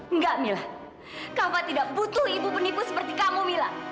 enggak mila kamu tidak butuh ibu penipu seperti kamu mila